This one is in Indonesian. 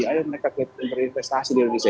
ayo mereka berinvestasi di indonesia